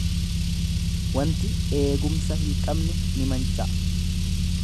Wanti eegumsa hin qabne ni manca'a.